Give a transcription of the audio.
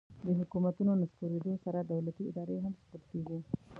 د حکومتونو نسکورېدو سره دولتي ادارې هم سقوط کیږي